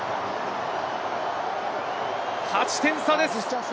８点差です。